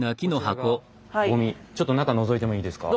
ちょっと中のぞいてもいいですか？